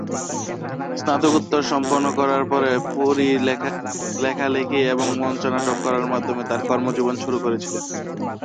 স্নাতকোত্তর সম্পন্ন করার পরে, পুরী লেখালেখি এবং মঞ্চ নাটক করার মাধ্যমে তাঁর কর্মজীবন শুরু করেছিলেন।